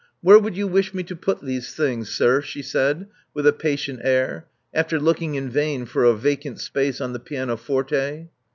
'* Where would you wish me to put these things, sir?" she said with a patient air, after looking in vain for a vacant space on the pianoforte.